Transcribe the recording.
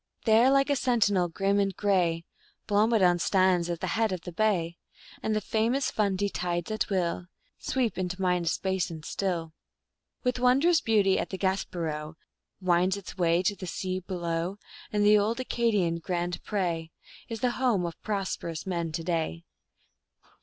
There like a sentinel, grim and gray, Blomidon stands at the head of the bay, And the famous Fundy tides, at will, Sweep into Minas Basin still. With wondrous beauty the Gaspereaux Winds its way to the sea below, And the old Acadian Grand Pre Is the home of prosperous men to day.